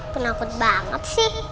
takut banget sih